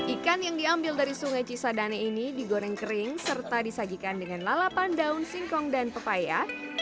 ikan yang diambil dari sungai cisadane ini digoreng kering serta disajikan dengan lalapan daun singkong dan pepaya